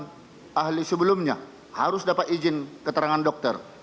sudara dengan ahli sebelumnya harus dapat izin keterangan dokter